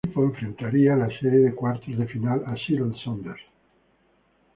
El equipo enfrentaría en la serie de cuartos de final a Seattle Sounders.